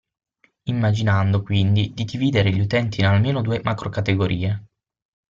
Immaginando quindi di dividere gli utenti in almeno due macrocategorie.